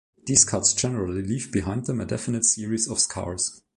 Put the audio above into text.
These cuts generally leave behind them a definite series of scars.